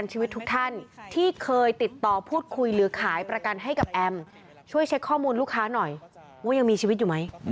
ลูกค้าหน่อยว่ายังมีชีวิตอยู่ไหม